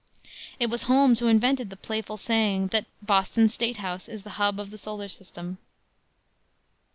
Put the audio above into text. It was Holmes who invented the playful saying that "Boston State House is the hub of the solar system."